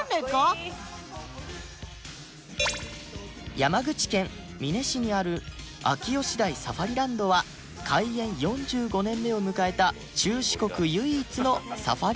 山口県美祢市にある秋吉台サファリランドは開園４５年目を迎えた中四国唯一のサファリパーク